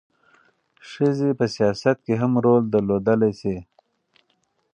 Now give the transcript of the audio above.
ښځې په سیاست کې هم رول درلودلی شي.